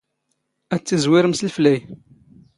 ⴰⴷ ⵜⵉⵣⵡⵉⵔⵎ ⵙ ⵍⴼⵍⴰⵢ.